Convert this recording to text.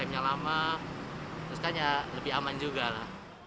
nama terus kan ya lebih aman juga lah